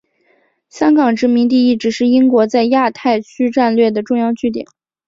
香港殖民地一直是英国在亚太区战略的重要据点。